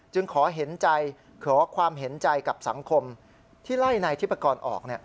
จึงขอเห็นใจกับสังคมที่ไล่นายทิพกรออก